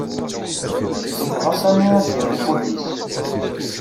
Yebɣa Sami ad d-yerr iPod-is.